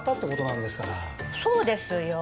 そうですよ。